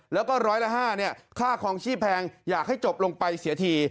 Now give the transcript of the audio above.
แล้วก็ร้อยละ๕ค่าคลองชีพแพงอยากให้จบลงไปเสียที